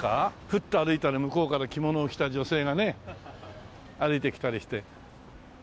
ふっと歩いたら向こうから着物を着た女性がね歩いてきたりして。